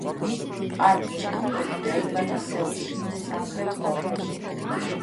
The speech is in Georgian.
პარკ ჩენიოლი დაიბადა სეულში, სამხრეთ კორეაში.